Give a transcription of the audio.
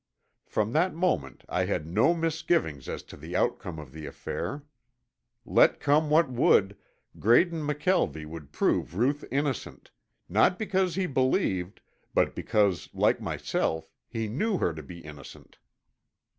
From that moment I had no misgivings as to the outcome of the affair. Let come what would, Graydon McKelvie would prove Ruth innocent, not because he believed, but because like myself he knew her to be innocent.